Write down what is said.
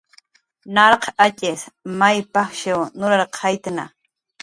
Narq atx'is may pajshiw nurarqayktna